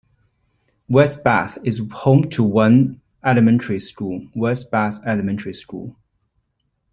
West Bath is home to one elementary school, West Bath Elementary School.